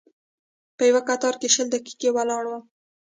په یوه کتار کې شل دقیقې ولاړ وم.